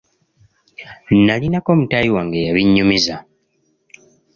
Nnalinako mutaayi wange eyabinyumiza.